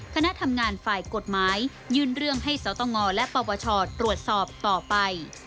คณะทำงานฝ่ายกฎหมายยื่นเรื่องให้สตงและปปชตรวจสอบต่อไป